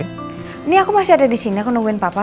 ini aku masih ada disini aku nungguin papa